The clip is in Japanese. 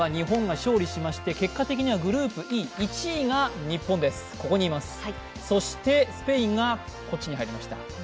今回は日本が勝利しまして結果的にはグループＥ１位で通過そしてスペインがこっちに入りました。